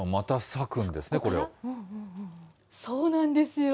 そうなんですよ。